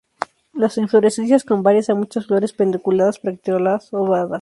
Las inflorescencias con varias a muchas flores, pedunculadas; bracteolas ovadas.